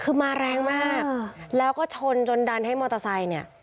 คือมาแรงมากแล้วก็ชนจนดันให้มอเตอร์ไซค์เนี่ย